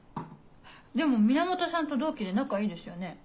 でも源さんと同期で仲いいですよね。